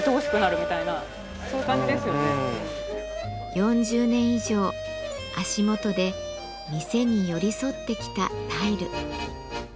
４０年以上足元で店に寄り添ってきたタイル。